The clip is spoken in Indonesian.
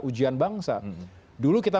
ujian bangsa dulu kita